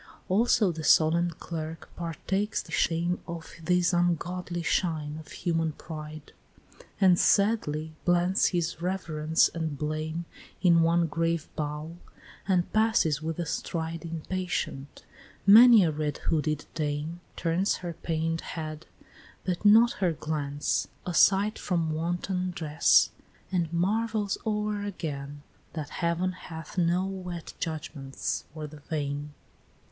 VI. Also the solemn clerk partakes the shame Of this ungodly shine of human pride, And sadly blends his reverence and blame In one grave bow, and passes with a stride Impatient: many a red hooded dame Turns her pain'd head, but not her glance, aside From wanton dress, and marvels o'er again, That heaven hath no wet judgments for the vain.